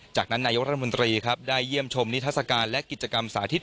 จากนั้นนายกรัฐมนตรีครับได้เยี่ยมชมนิทัศกาลและกิจกรรมสาธิต